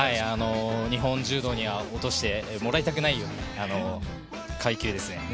日本柔道には落としてもらいたくないような階級ですね。